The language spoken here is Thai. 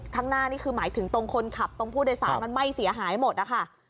ข้างหน้านี่คือหมายถึงตรงคนขับตรงผู้โดยสารมันไหม้เสียหายหมดนะคะ